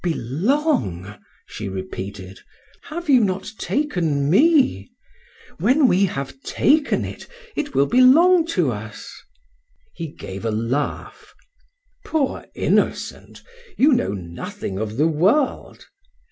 "Belong!" she repeated. "Have you not taken me? When we have taken it, it will belong to us." He gave a laugh. "Poor innocent! You know nothing of the world."